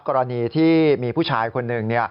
กรณีที่มีผู้ชายคนหนึ่ง